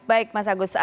baik mas agus